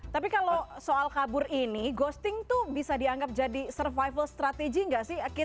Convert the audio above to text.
tapi kalau soal kabur ini ghosting tuh bisa dianggap jadi survival strategy nggak sih